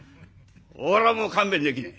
俺はもう勘弁できねえ。